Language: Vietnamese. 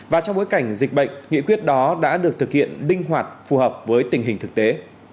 và trong bối cảnh dịch bệnh nghị quyết đó đã được thực hiện linh hoạt phù hợp với tình hình thực tế